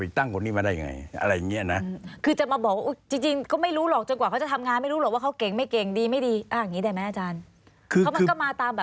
เอาเรื่องจากเกษตรการที่เกิดขึ้น